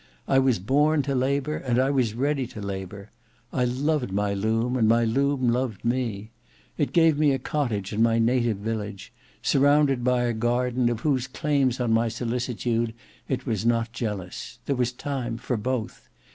I was born to labour, and I was ready to labour. I loved my loom and my loom loved me. It gave me a cottage in my native village, surrounded by a garden of whose claims on my solicitude it was not jealous. There was time for both.